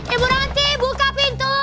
ibu ranti buka pintu